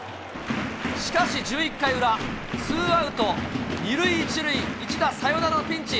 しかし、１１回裏、ツーアウト２塁１塁、一打サヨナラのピンチ。